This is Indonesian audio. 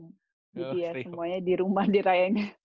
jadi ya semuanya di rumah di rayangnya